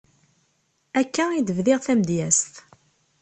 Akka i d-bdiɣ tamedyazt.